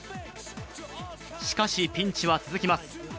しかし、ピンチは続きます。